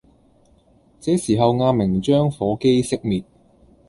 這時候阿明將火機熄滅